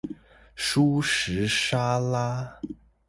蔬食沙拉